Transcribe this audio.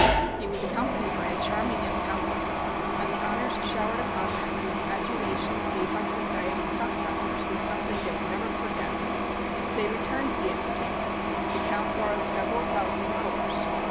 He was accompanied by a charming young "Countess," and the honors showered upon them and the adulation paid by society tuft hunters was something they will never forget. They returned the entertainments. The Count borrowed several thousand dollars.